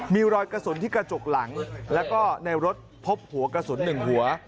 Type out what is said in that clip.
มีรอยกระสุนที่กระจกหลังแล้วก็ในรถพบหัวกระสุน๑หัว